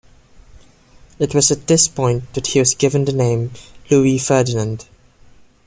It was at this point that he was given the name Louis Ferdinand.